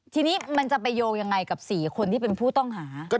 ทีนี้มันจะไปโยงยังไงกับ๔คนที่เป็นผู้ต้องหา